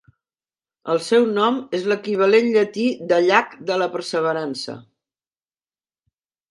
El seu nom és l'equivalent llatí de Llac de la Perseverança.